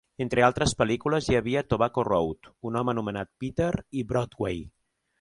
Entre altres pel·lícules hi havia "Tobacco Road", "Un home anomenat Peter", i "Broadway".